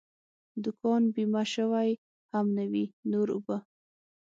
دوکان بیمه شوی هم نه وي، نور اوبه.